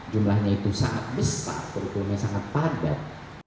jumlahnya itu sangat besar kurikulumnya sangat padat